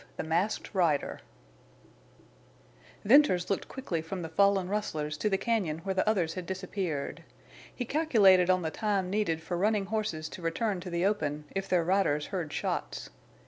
THE MASKED RIDER Venters looked quickly from the fallen rustlers to the cañon where the others had disappeared. He calculated on the time needed for running horses to return to the open, if their riders heard shots.